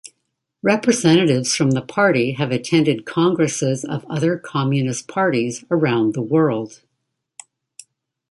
Representatives from the party have attended congresses of other communist parties around the world.